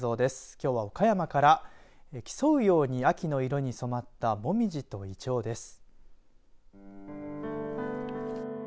きょうは岡山から競うように秋の色に染まった紅葉といちょうです。